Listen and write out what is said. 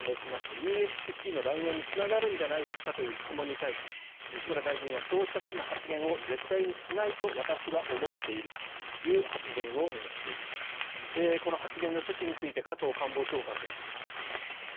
優越的地位の乱用に該当するんじゃないですかという質問に対して、西村大臣はそうした趣旨の発言を絶対にしないと私は思っているという発言をしています。